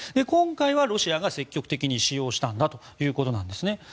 今回はロシアが積極的に使用したということなんです。